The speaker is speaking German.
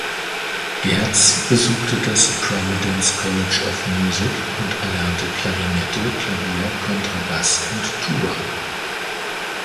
Gertz besuchte das "Providence College of Music" und erlernte Klarinette, Klavier, Kontrabass und Tuba.